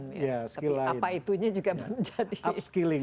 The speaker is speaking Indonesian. tapi apa itunya juga menjadi skilling